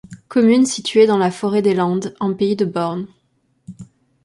Commune située dans la forêt des Landes en pays de Born.